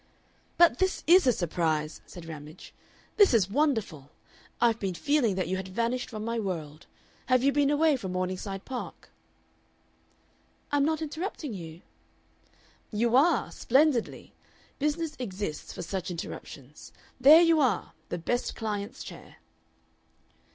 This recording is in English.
"But this is a surprise!" said Ramage. "This is wonderful! I've been feeling that you had vanished from my world. Have you been away from Morningside Park?" "I'm not interrupting you?" "You are. Splendidly. Business exists for such interruptions. There you are, the best client's chair."